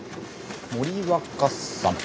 森若さん。